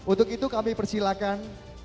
untuk itu kami persilahkan